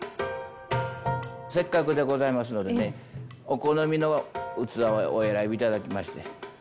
せっかくでございますのでねお好みの器をお選び頂きまして。